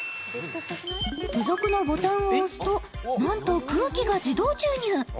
付属のボタンを押すとなんと空気が自動注入